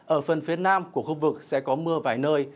ở phần phía nam của khu vực sẽ có mưa vài nơi